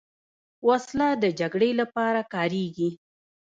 وسله د جګړې لپاره کارېږي